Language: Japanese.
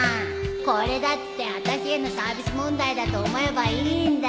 これだってあたしへのサービス問題だと思えばいいんだよ